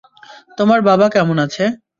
তোমার বাবা কেমন আছে?